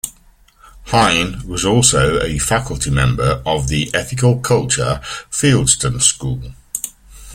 Hine was also a faculty member of the Ethical Culture Fieldston School.